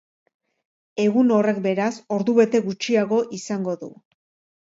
Egun horrek, beraz, ordubete gutxiago izango du.